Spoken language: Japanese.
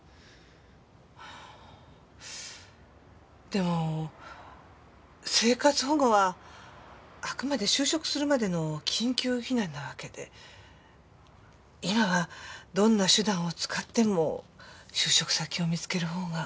でも生活保護はあくまで就職するまでの緊急避難なわけで今はどんな手段を使っても就職先を見つける方が。